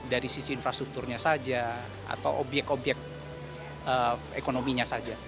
dari sisi infrastrukturnya saja atau obyek obyek ekonominya saja